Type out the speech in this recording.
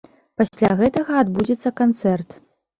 Пасля гэтага адбудзецца канцэрт.